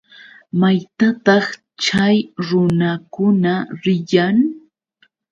¿Maytataq chay runakuna riyan?